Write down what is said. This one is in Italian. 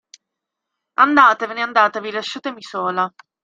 Andatevene, andatevene, lasciatemi sola.